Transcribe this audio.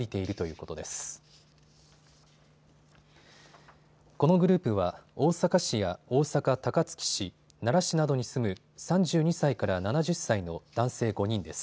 このグループは大阪市や大阪高槻市、奈良市などに住む３２歳から７０歳の男性５人です。